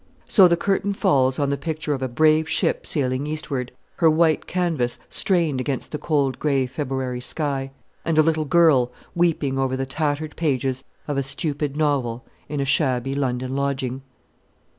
So the curtain falls on the picture of a brave ship sailing eastward, her white canvas strained against the cold grey February sky, and a little girl weeping over the tattered pages of a stupid novel in a shabby London lodging.